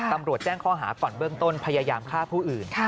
ตำรวจแจ้งข้อหาก่อนเบื้องต้นพยายามฆ่าผู้อื่น